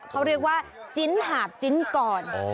เขาเรียกว่าจิ้นหาบจิ้นก่อน